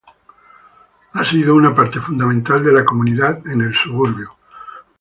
Ha sido una parte fundamental de la comunidad en el suburbio.